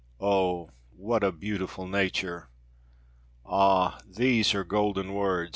"Oh! what a beautiful nature! Ah! these are golden words.